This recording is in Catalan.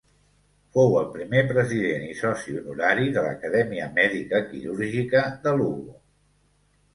Fou el primer President i Soci Honorari de l'Acadèmia Mèdica Quirúrgica de Lugo.